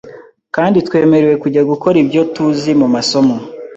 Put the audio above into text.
kandi twemerewe kujya gukora ibyo tuzi mu masomo